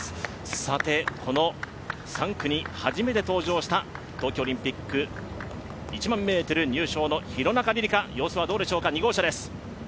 さてこの３区に初めて登場した東京オリンピック１００００ｍ入賞の廣中璃梨佳、様子はどうでしょうか？